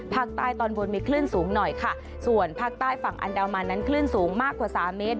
ภาคใต้ตอนบนมีคลื่นสูงหน่อยค่ะส่วนภาคใต้ฝั่งอันดามันนั้นคลื่นสูงมากกว่าสามเมตร